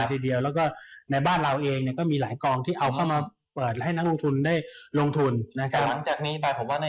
ถือว่าอุตสาหกรรมที่เป็นอุตสาหกรรมที่อยู่ในใจหลายคน